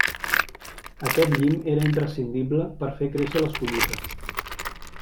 Aquest llim era imprescindible per a fer créixer les collites.